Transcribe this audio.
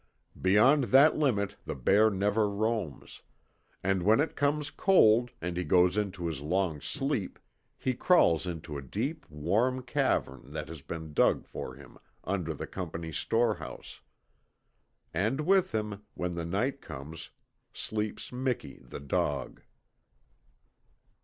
Beyond that limit the bear never roams; and when it comes cold, and he goes into his long sleep, he crawls into a deep warm cavern that has been dug for him under the Company storehouse. And with him, when the nights come, sleeps Miki the dog.